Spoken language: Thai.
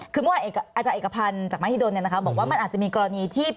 คือเมื่อวานอาจารย์เอกพันธ์จากมหิดลบอกว่ามันอาจจะมีกรณีที่